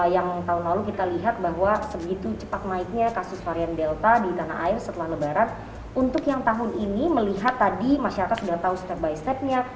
yang tahun lalu kita lihat bahwa sebegitu cepat naiknya kasus varian delta di tanah air setelah lebaran untuk yang tahun ini melihat tadi masyarakat sudah tahu step by stepnya